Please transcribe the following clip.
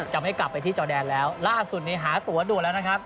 จะไม่กลับไปที่จอแดนแล้วล่าสุดนี้หาตัวด่วนแล้วนะครับ